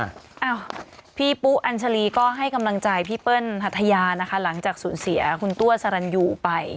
อ้าวพี่ปุ๊อัญชาลีก็ให้กำลังใจพี่เปิ้ลหัทยานะคะหลังจากสูญเสียคุณตัวสรรยูไป